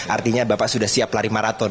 artinya bapak sudah siap lari maraton